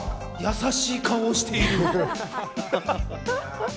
優しい顔をしている。